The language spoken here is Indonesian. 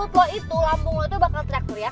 satu lambung lo itu bakal teriak teriak